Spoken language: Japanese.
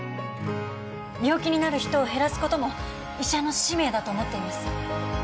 病気になる人を減らすことも医者の使命だと思っています。